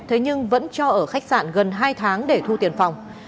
thế nhưng vẫn cho ở khách sạn gần hai tháng để thu tiền phòng